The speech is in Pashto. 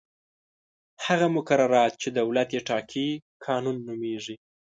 هغه مقررات چې دولت یې ټاکي قانون نومیږي.